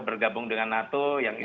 bergabung dengan nato